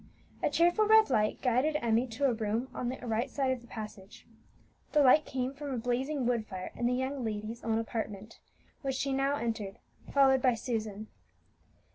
A cheerful red light guided Emmie to a room on the right side of the passage. The light came from a blazing wood fire in the young lady's own apartment, which she now entered, followed by Susan.